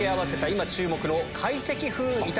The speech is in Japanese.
今注目の。